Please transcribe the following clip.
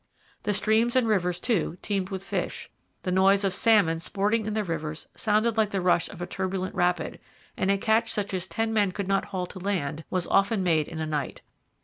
The streams and rivers, too, teemed with fish. The noise of salmon sporting in the rivers sounded like the rush of a turbulent rapid, and a catch such as 'ten men could not haul to land' was often made in a night.